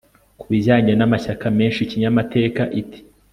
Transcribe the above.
ku bijyanye n'amashyaka menshi kinyamateka iti